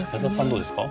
どうですか？